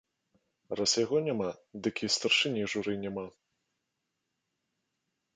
А раз яго няма, дык і старшыні журы няма.